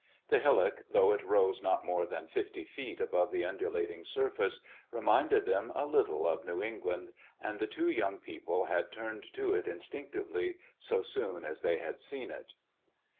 The hillock, though it rose not more than fifty feet above the undulating surface, re minded them a little of New Eng land, and the two young people had A Christmas When turned to it instinctively so soon as they had seen it.